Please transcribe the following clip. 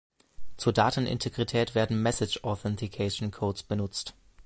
Zur Datenintegrität werden Message Authentication Codes benutzt.